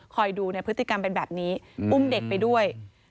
ดูเนี่ยพฤติกรรมเป็นแบบนี้อุ้มเด็กไปด้วย